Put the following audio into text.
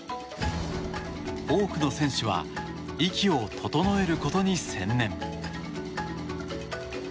多くの選手は息を整えることに専念。